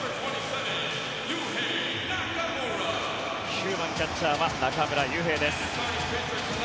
９番キャッチャーは中村悠平です。